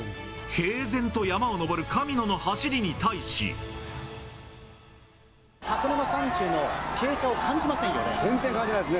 平然と山を上る神野の走りに箱根の山中の傾斜を感じませ全然感じないですね。